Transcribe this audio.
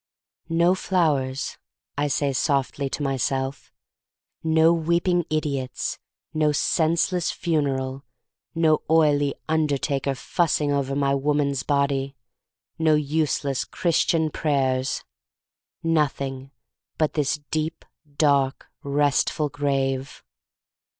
No flowers," I say softly to myself, no weeping idiots, no senseless funeral, no oily undertaker fussing over my woman*s body, no useless Christian prayers. Nothing but this deep dark restful grave."